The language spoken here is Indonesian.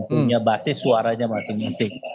punya basis suaranya masing masing